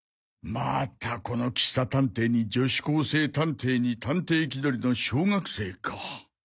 またこの喫茶探偵に女子高生探偵に探偵気取りの小学生か。